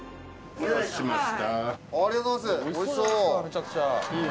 ありがとうございます。